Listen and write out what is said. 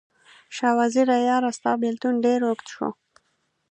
شاه وزیره یاره، ستا بیلتون ډیر اوږد شو